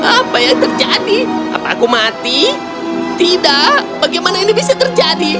tidak bagaimana ini bisa terjadi